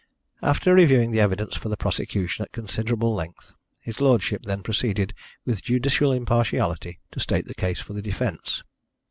After reviewing the evidence for the prosecution at considerable length, his lordship then proceeded, with judicial impartiality, to state the case for the defence.